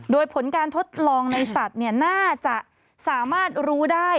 โดยผลการทดลองในสัตว์น่าจะสามารถรู้ได้